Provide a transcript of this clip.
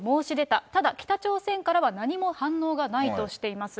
ただ、北朝鮮からは何も反応がないとしています。